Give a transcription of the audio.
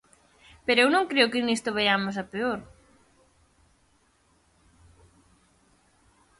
Pero eu non creo que nisto vaiamos a peor.